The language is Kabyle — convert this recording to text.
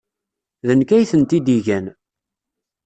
D nekk ay tent-id-igan.